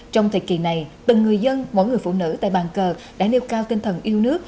trong thời kỳ này từng người dân mỗi người phụ nữ tại bàn cờ đã nêu cao tinh thần yêu nước